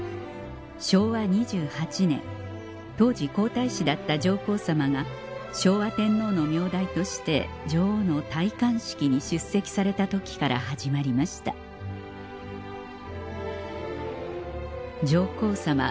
昭和２８年当時皇太子だった上皇さまが昭和天皇の名代として女王の戴冠式に出席された時から始まりました上皇さま